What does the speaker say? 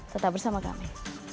tetap bersama kami